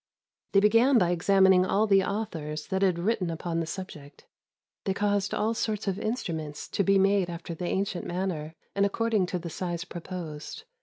They began by examining all the authors that had written upon the subject, they caused all sorts of instru ments to be made after the ancient manner and accord 164 THE EMPEROR AND THE MUSICIAN ing to the size proposed.